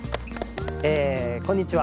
えこんにちは。